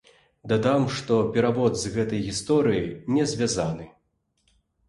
Дадам, што перавод з гэтай гісторыяй не звязаны.